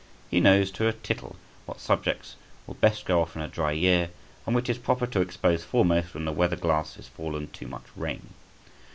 He knows to a tittle what subjects will best go off in a dry year, and which it is proper to expose foremost when the weather glass is fallen to much rain.